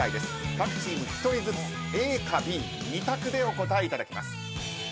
各チーム１人ずつＡかＢ２択でお答えいただきます。